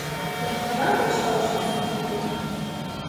Уи тэмакъым щхьэ ущымысхьыжрэ?